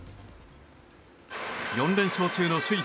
４連勝中の首位